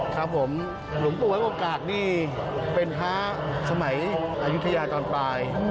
ครับผมหลวงปู่ไว้โอกาสนี่เป็นพระสมัยอายุทยาตอนปลาย